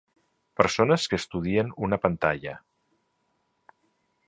Persones que estudien una pantalla.